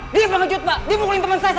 dia mengejut pak dia pukulin temen saya